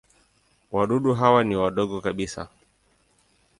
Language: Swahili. Wadudu hawa ni wadogo kabisa.